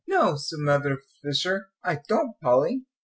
"No," said Mother Fisher, "I don't, Polly."